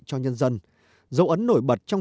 cho nhân dân dấu ấn nổi bật trong